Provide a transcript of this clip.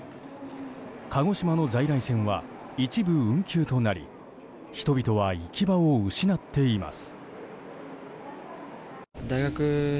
鹿児島の在来線は一部運休となり人々は行き場を失っています。